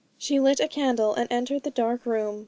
She lit a candle, and entered the dark room.